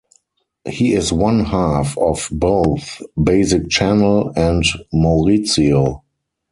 He is one half of both Basic Channel and Maurizio.